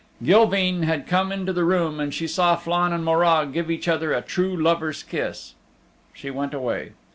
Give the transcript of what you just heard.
Gilveen had come into the room and she saw Flann and Morag give each other a true lover's kiss. She went away.